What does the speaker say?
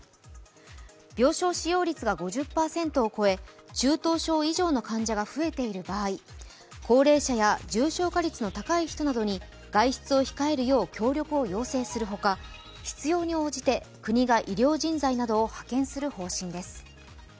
病床使用率が５０％を超え、中等症以上の患者が増えている場合高齢者や重症化率の高い人などに外出を控えるよう協力を要請するほか、必要に応じて国が医療人材などを派遣する方針です。